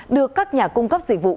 được các nhà cung cấp dịch vụ